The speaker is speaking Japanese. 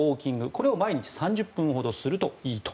これを毎日３０分ほどするといいと。